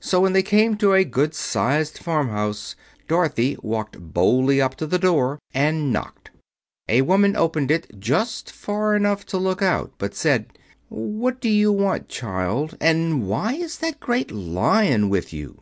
So, when they came to a good sized farmhouse, Dorothy walked boldly up to the door and knocked. A woman opened it just far enough to look out, and said, "What do you want, child, and why is that great Lion with you?"